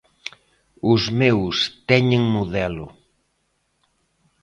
Os meus teñen modelo.